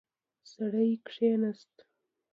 سړی کېناست.